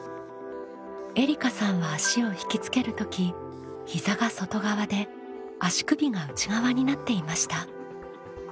えりかさんは足を引きつける時膝が外側で足首が内側になっていました。